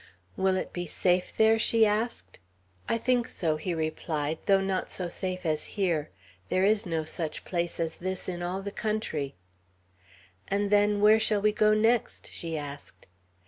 "Will it be safe there?" she asked. "I think so," he replied; "though not so safe as here. There is no such place as this in all the country." "And then where shall we go next?" she asked.